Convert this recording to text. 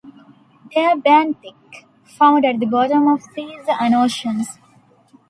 They are benthic, found at the bottom of seas and oceans.